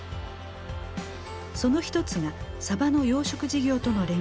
その一つがサバの養殖事業との連携です。